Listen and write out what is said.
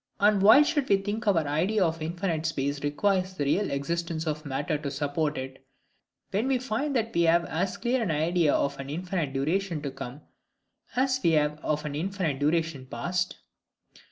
And why should we think our idea of infinite space requires the real existence of matter to support it, when we find that we have as clear an idea of an infinite duration to come, as we have of infinite duration past?